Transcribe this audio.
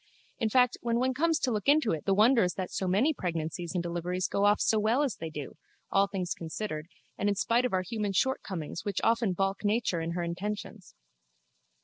In fact when one comes to look into it the wonder is that so many pregnancies and deliveries go off so well as they do, all things considered and in spite of our human shortcomings which often baulk nature in her intentions.